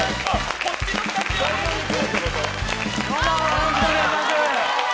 よろしくお願いします。